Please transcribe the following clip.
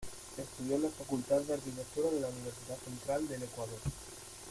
Estudió en la Facultad de Arquitectura de la Universidad Central del Ecuador.